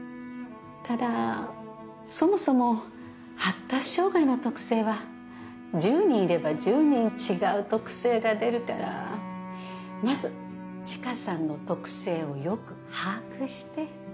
ただそもそも発達障害の特性は１０人いれば１０人違う特性が出るからまず知花さんの特性をよく把握して。